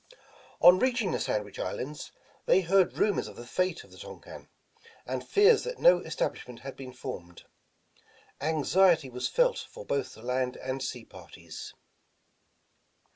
On reaching the Sandwich Islands, they heard ru mors of the fate of the Tonquin, and fears that no es tablishment had been formed. Anxiety was felt for both the land and sea parties.